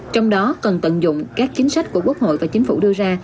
trong đó cần tận dụng các chính sách của quốc hội và chính phủ đưa ra